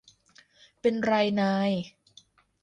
เป็นไรนาย